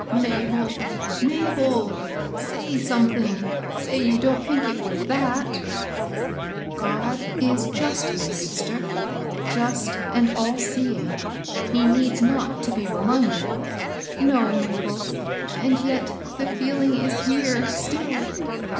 "Mabel! Mabel! say something, — say you don't think it was that !"God is just, my sister, — just and all seeing. He needs not to be reminded." No, Mabel ; and yet the feeling is here still."